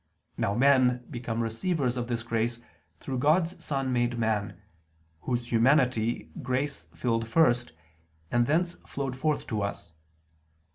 Now men become receivers of this grace through God's Son made man, Whose humanity grace filled first, and thence flowed forth to us.